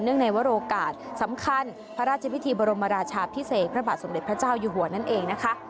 ในวรโอกาสสำคัญพระราชพิธีบรมราชาพิเศษพระบาทสมเด็จพระเจ้าอยู่หัวนั่นเองนะคะ